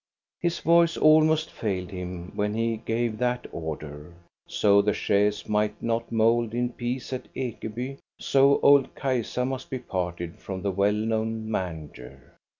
His voice almost failed him when he gave that order. So the chaise might not mould in peace at Ekeby, so old Kajsa must be parted from the well known manger.